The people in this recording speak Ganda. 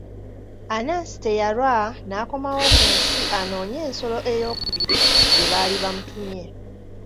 Anansi teyalwa n'akomawo ku nsi anoonye ensolo ey'okubiri gye baali bamutumye.